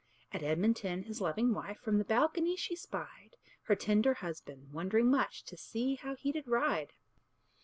At Edmonton his loving wife From the balcony she spied Her tender husband, wondering much To see how he did ride.